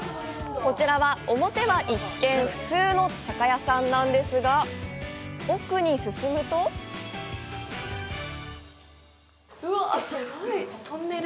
こちらは、表は一見、普通の酒屋さんなんですが奥に進むとうわあ、すごい！トンネル。